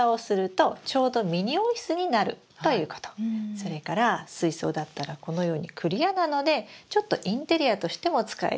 それから水槽だったらこのようにクリアなのでちょっとインテリアとしても使える。